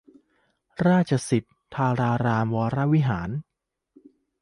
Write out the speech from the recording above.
ราชสิทธิธารามวรวิหาร